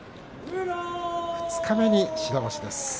二日目に白星です。